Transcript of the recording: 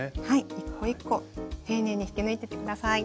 一個一個丁寧に引き抜いてって下さい。